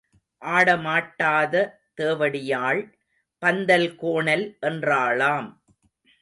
ஆடமாட்டாத தேவடியாள் பந்தல் கோணல் என்றாளாம்.